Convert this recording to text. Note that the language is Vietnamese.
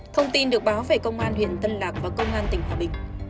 thông tin được báo về công an huyện tân lạc và công an tỉnh hòa bình